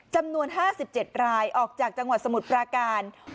จำนวน๕๗รายออกจากจังหวัดสมุทรปราการ